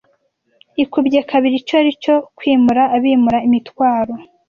ikubye kabiri icyo aricyo cyo kwimura abimura imitwaro